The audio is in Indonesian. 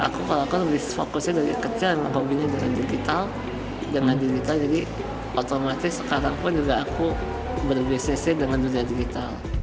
aku kalau aku lebih fokusnya dari kecil emang hobinya dengan digital jangan digital jadi otomatis sekarang pun juga aku berbissec dengan dunia digital